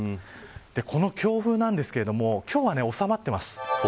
この強風なんですけれども今日は収まっています。